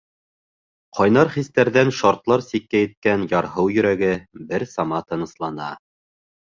Ҡайнар хистәрҙән шартлар сиккә еткән ярһыу йөрәге бер сама тыныслана.